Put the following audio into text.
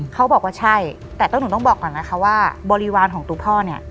เขาบอกว่าใช่แต่หนูต้องบอกก่อนนะคะว่าบริวารของตัวพ่อเนี่ย